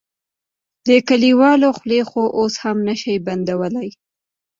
د کليوالو خولې خو اوس هم نه شې بندولی.